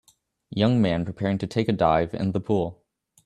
Young man preparing to take a dive in the pool